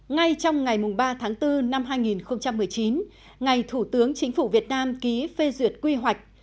ngay trong ngày ba tháng bốn năm hai nghìn một mươi chín ngày thủ tướng chính phủ việt nam ký phê duyệt quy hoạch